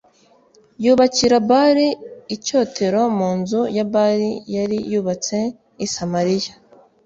Yubakira Bāli icyotero mu nzu ya Bāli yari yubatse i Samariya